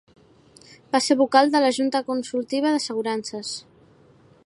Va ser Vocal de la Junta Consultiva d'Assegurances.